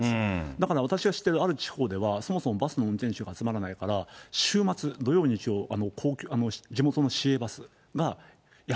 だから私が知っているある地方では、そもそもバスの運転手が集まらないから、週末、土曜日曜、地元のえ？